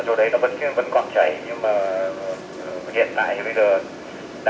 ở chỗ đấy nó vẫn còn chảy nhưng mà hiện tại bây giờ đang phải tìm cách để xông để rửa đã